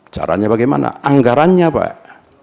caranya bagaimana anggarannya pak